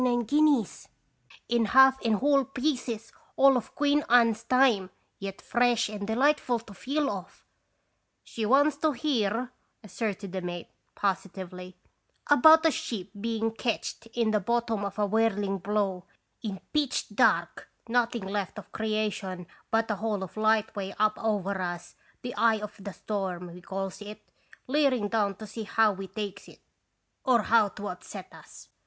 165 nine guineas in half and whole pieces, all of Queen Anne's time, yet fresh and delightful to feel of." "She wants to hear," asserted the mate, positively, "about a ship being ketched in the bottom of a whirling blow, in pitch dark, noth ing left of creation but a hole of lightway up over us, the eye of the storm, we calls it, leering down to see how we takes it, or how to upset us."